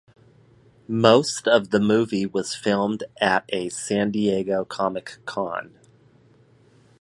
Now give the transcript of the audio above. Most of the movie was filmed at a San Diego Comic-Con.